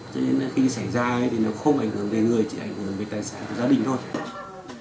cho nên là khi xảy ra thì nó không ảnh hưởng về người chỉ ảnh hưởng về tài sản gia đình thôi